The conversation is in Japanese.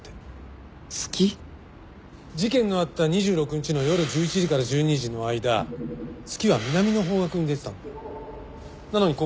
事件のあった２６日の夜１１時から１２時の間月は南の方角に出てたんだよ。